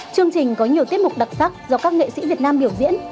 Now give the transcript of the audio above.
chương trình có nhiều tiết mục đặc sắc do các nghệ sĩ việt nam biểu diễn